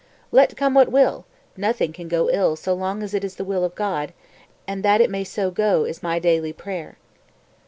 245. "Let come what will, nothing can go ill so long as it is the will of God; and that it may so go is my daily prayer."